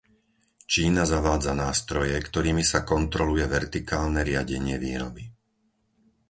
Čína zavádza nástroje, ktorými sa kontroluje vertikálne riadenie výroby.